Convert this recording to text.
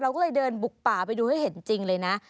ก็เลยเดินบุกป่าไปดูให้เห็นจริงเลยนะ